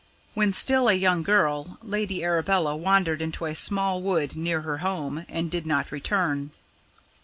When still a young girl, Lady Arabella wandered into a small wood near her home, and did not return.